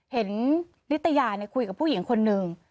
เห็นนิตยาคุยกับผู้หญิงคนหนึ่ง